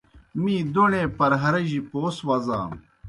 می دوݨیئے پرہرِجیْ پوس وزانوْ۔